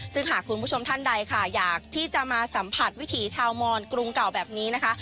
ซึ่งหากคุณผู้ชมท่านใดค่ะอยากที่จะมาสัมผัสวิถีชาวมอนกรุงเก่าแบบนี้นะคะ